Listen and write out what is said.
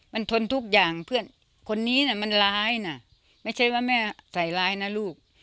มันทนทุกอย่างเพื่อนคนนี้น่ะมันร้ายนะไม่ใช่ว่าแม่ใส่ร้ายนะลูก